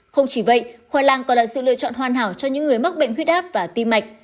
không chỉ vậy khoai lang còn là sự lựa chọn hoàn hảo cho những người mắc bệnh huyết áp và tim mạch